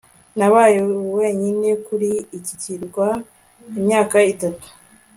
nabaye wenyine kuri iki kirwa imyaka itatu